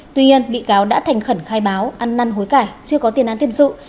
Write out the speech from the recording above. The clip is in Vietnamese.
tuy nhiên bị cáo đã thành khẩn khai báo ăn năn hối cải chưa có tiền án tiền sự